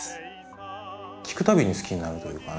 聴くたびに好きになるというかね。